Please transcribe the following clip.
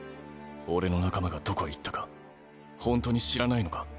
俺の仲間がどこへ行ったかほんとに知らないのか？